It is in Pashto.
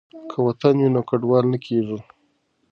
که وطن وي نو کډوال نه کیږو.